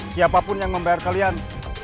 siapapun yang membayar kalian